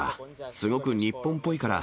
すごく日本っぽいから。